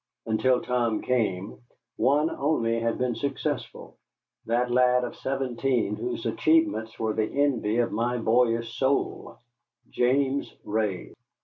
Until Tom came, one only had been successful, that lad of seventeen, whose achievements were the envy of my boyish soul, James Ray.